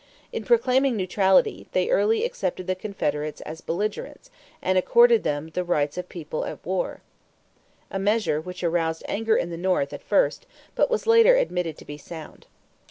In proclaiming neutrality, they early accepted the Confederates as "belligerents" and accorded them the rights of people at war a measure which aroused anger in the North at first but was later admitted to be sound.